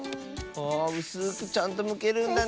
あうすくちゃんとむけるんだね。